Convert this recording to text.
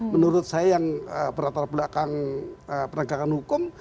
menurut saya yang berat berat belakang penegakan hukum